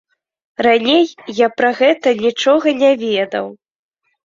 Раней я пра гэта нічога не ведаў.